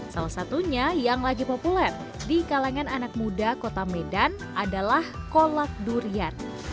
salah satunya yang lagi populer di kalangan anak muda kota medan adalah kolak durian